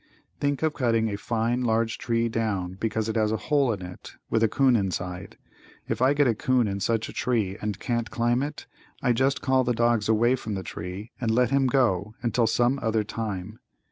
Think of cutting a fine, large tree down because it has a hole in it with a 'coon inside. If I get a 'coon in such a tree and can't climb it, I just call the dogs away from the tree and let him go until some other time.